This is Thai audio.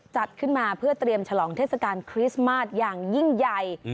จัดขึ้นมาเพื่อเตรียมฉลองเทศกาลคริสต์มาสอย่างยิ่งใหญ่